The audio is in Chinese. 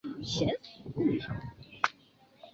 其子为同样任教于中山大学的王则柯。